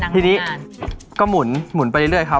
ทีนี้ก็หมุนไปเรื่อยครับ